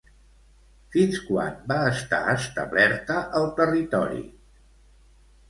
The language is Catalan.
Fins quan va estar establerta al territori?